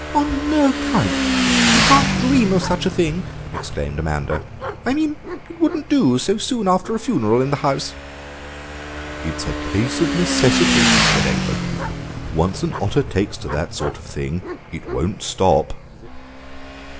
"On no account! You can't dream of such a thing!" exclaimed Amanda. "I mean, it wouldn't do, so soon after a funeral in the house." "It's a case of necessity," said Egbert; "once an otter takes to that sort of thing it won't stop."